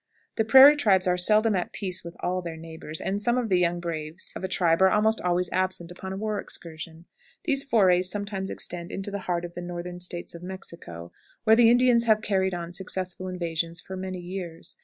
The prairie tribes are seldom at peace with all their neighbors, and some of the young braves of a tribe are almost always absent upon a war excursion. These forays sometimes extend into the heart of the northern states of Mexico, where the Indians have carried on successful invasions for many years.